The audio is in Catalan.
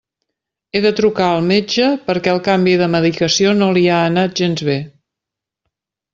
He de trucar al metge perquè el canvi de medicació no li ha anat gens bé.